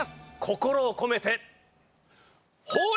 心を込めて。